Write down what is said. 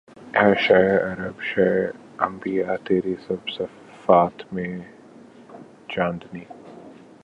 اے شہ عرب شہ انبیاء تیری سب صفات میں چاندنی